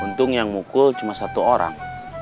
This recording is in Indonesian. untung yang mukul cuma satu orang